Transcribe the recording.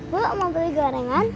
bu mau beli gorengan